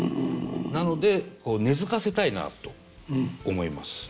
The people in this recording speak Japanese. なのでこう根づかせたいなと思います。